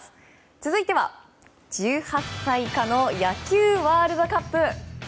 続いては、１８歳以下の野球ワールドカップ。